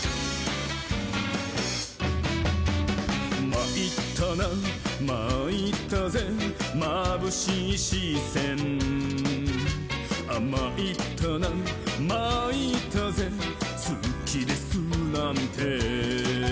「まいったなまいったぜまぶしいしせん」「まいったなまいったぜすきですなんて」